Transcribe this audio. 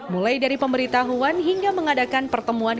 mulai dari pemberitahuan hingga mengadakan pertemuan